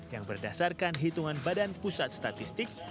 yang berdasarkan hitungan badan pusat statistik